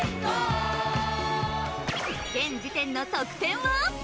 現時点の得点は？